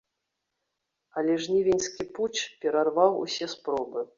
Але жнівеньскі путч перарваў усе спробы.